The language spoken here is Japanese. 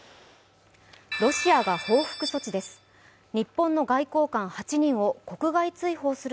ロシアが報復措置です。